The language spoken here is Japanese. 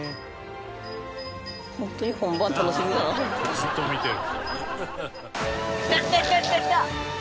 「ずっと見てる」